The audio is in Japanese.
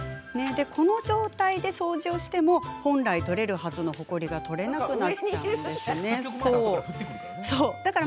この状態で掃除しても本来取れるはずのほこりが取れなくなっちゃうんです。